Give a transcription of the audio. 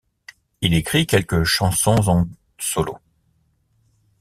Il écrit quelques chansons en solo.